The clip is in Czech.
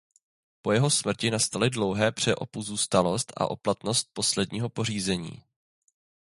Po jeho smrti nastaly dlouhé pře o pozůstalost a o platnost posledního pořízení.